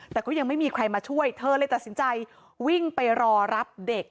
แต่ก็ยังไม่มีใครมาช่วยเธอเลยตัดสินใจวิ่งไปรอรับเด็ก